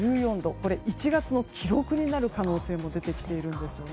これは１月の記録になる可能性も出てきています。